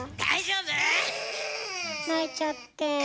大丈夫？泣いちゃって。